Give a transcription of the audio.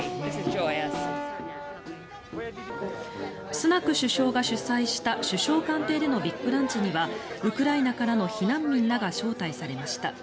スナク首相が主催した首相官邸でのビッグランチにはウクライナからの避難民らが招待されました。